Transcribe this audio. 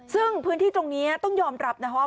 ซึ่งพื้นที่ตรงนี้ต้องยอมรับนะคะว่า